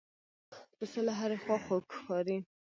پسه له هرې خوا خوږ ښکاري.